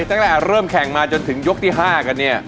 ตั้งแต่เริ่มแข่งมาจนถึงยกที่๕กันเนี่ย